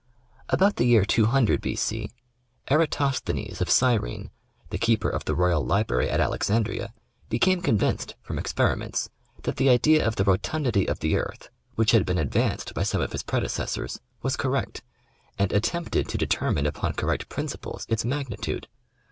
About the year 200 B, C, Eratosthenes of Gyrene, the keeper of the Royal Library at Alexandria, became convinced, from ex periments, that the idea of the rotundity of the earth, which had been advanced by some of his predecessors, was correct, and attempted to determine upon correct principles its magnitude.